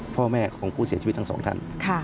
พ่อแม่ของผู้เสียชีวิตทั้งสองท่าน